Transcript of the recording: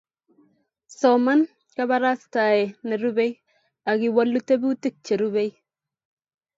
soman kabarastae ne rubei akiwolu tebutik che rubei